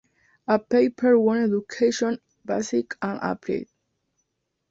A paper on education, basic and applied.